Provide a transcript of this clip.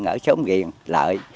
ở xóm ghiền lại